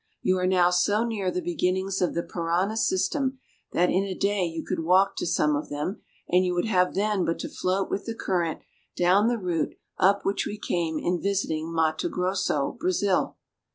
You are now so near the beginnings of the Parana system that in a day you could walk to some of them, and you would have then but to float with the current down the route up which we came in visiting Matto Grosso, Brazil.